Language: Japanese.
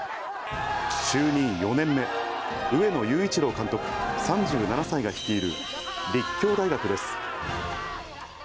就任４年目、上野裕一郎監督３７歳が率いる、立教大学です。